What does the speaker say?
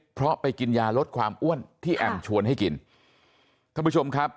เพราะไปกินยาลดความอ้วนที่แอมชวนให้กินท่านผู้ชมครับ